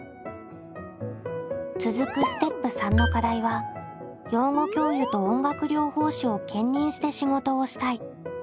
続くステップ③の課題は「養護教諭と音楽療法士を兼任して仕事をしたい」。